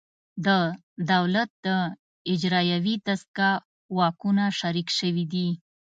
د دولت د اجرایوي دستگاه واکونه شریک شوي دي